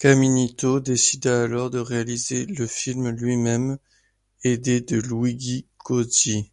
Caminito décida alors de réaliser le film lui-même, aidé de Luigi Cozzi.